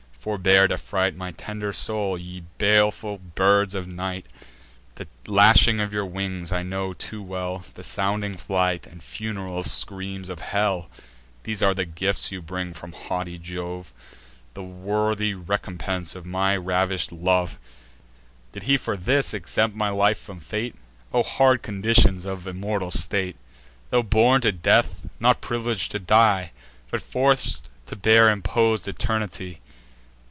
forbear to fright My tender soul, ye baleful birds of night; The lashing of your wings I know too well, The sounding flight, and fun'ral screams of hell! These are the gifts you bring from haughty Jove, The worthy recompense of ravish'd love! Did he for this exempt my life from fate? O hard conditions of immortal state, Tho' born to death, not privileg'd to die, But forc'd to bear impos'd eternity!